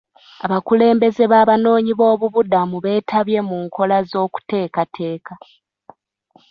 Abakulembeze b'abanoonyi b'obubuddamu beetabye mu nkola z'okuteekateka.